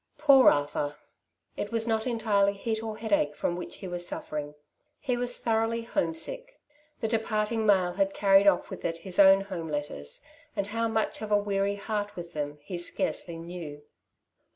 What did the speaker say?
Poor Arthur ! it was not entirely heat or headache from which he was suffering. He was thoroughly hoine sick. The departing mail had carried off with it his own home letters, and how much of a weary heart with them he scarcely knew.